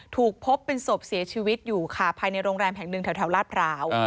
ถูกพบเป็นศพเสียชีวิตอยู่ค่ะภายในโรงแรมแห่งหนึ่งแถวลาดพร้าว